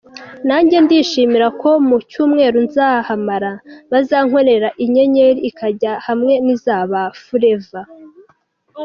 Nange ndishimira ko mu cyumweru nzahamara, bazankorera inyenyeri ikajya hamwe n’iza ba Fuleva.